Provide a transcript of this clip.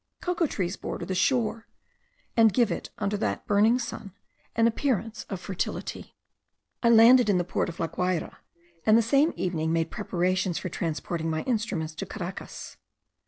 Cocoa trees border the shore, and give it, under that burning sky, an appearance of fertility. I landed in the port of La Guayra, and the same evening made preparations for transporting my instruments to Caracas.